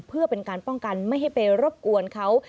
เพื่อเป็นการป้องกันไม่ให้ไปรบกวนเขา